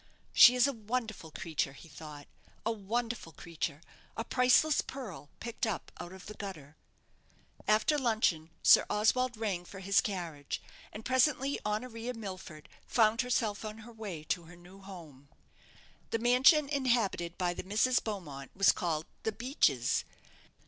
"She is a wonderful creature," he thought; "a wonderful creature a priceless pearl picked up out of the gutter." After luncheon Sir Oswald rang for his carriage, and presently Honoria Milford found herself on her way to her new home. The mansion inhabited by the Misses Beaumont was called "The Beeches."